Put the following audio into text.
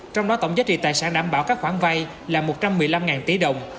trong đó tổng giá trị tài sản đảm bảo các khoản vay là một trăm một mươi năm tỷ đồng